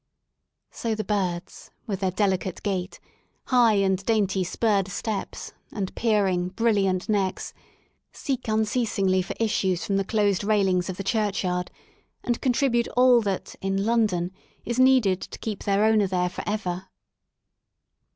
So the birds with their delicate gait, high and dainty spurred steps, and peering, brilliant necks, seek un ceasingly for issues from the closed railings of the ij churchyard, and contribute all that, in London, is [ needed to keep their owner there for ever.